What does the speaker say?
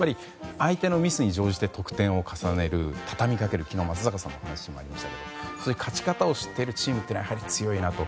相手のミスに乗じて得点を重ねる、畳みかける昨日、松坂さんの話にもありましたが勝ち方を知っているチームはやはり強いなと。